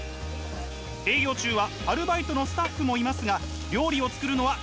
営業中はアルバイトのスタッフもいますが料理を作るのは